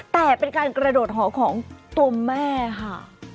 แต่เป็นการกระโดดหอของตัวแม่ค่ะ